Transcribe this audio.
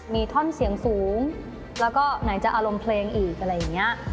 มีท่อนเสียงสูงแล้วก็ไหนจะอารมณ์เพลงอีกอะไรอย่างนี้